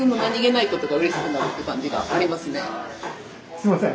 すいません。